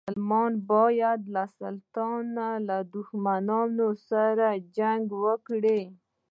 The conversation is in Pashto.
مسلمان باید له سلطان له دښمنانو سره جنګ وکړي.